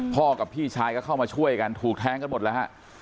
กับพี่ชายก็เข้ามาช่วยกันถูกแทงกันหมดแล้วฮะ